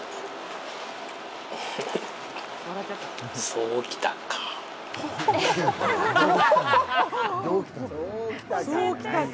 そうきたか。